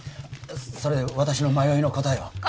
それで私の迷いの答えは？